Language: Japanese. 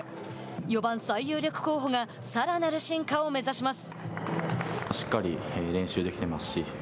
４番最有力候補がさらなる進化を目指します。